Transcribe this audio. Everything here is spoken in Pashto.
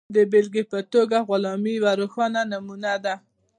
د بېلګې په توګه غلامي یوه روښانه نمونه ده.